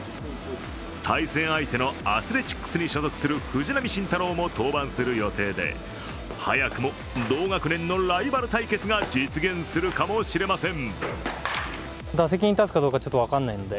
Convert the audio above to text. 対戦相手のアスレチックスに所属する藤浪晋太郎も登板する予定で早くも同学年のライバル対決が実現するかもしれません。